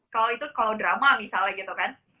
kalau itu kalau drama misalnya gitu kan